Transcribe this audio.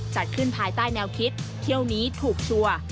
จัดขึ้นภายใต้แนวคิดเที่ยวนี้ถูกชัวร์